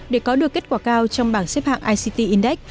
để có được kết quả cao trong bảng xếp hạng ict index